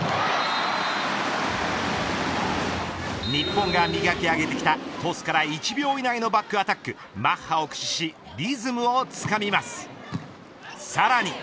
日本が磨き上げてきたトスから１秒以内のバックアタックマッハを駆使しリズムをつかみます。